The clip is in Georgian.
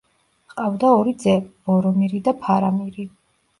ჰყავდა ორი ძე, ბორომირი და ფარამირი.